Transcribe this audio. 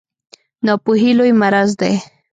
ناپوهي لوی مرض دی